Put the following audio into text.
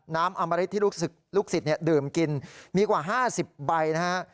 น้ำอามริสต์ที่ลูกสิทธิ์ดื่มกินมีกว่า๕๐ใบนะฮะ